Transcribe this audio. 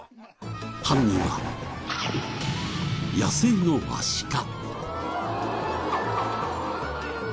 犯人は野生のアシカ。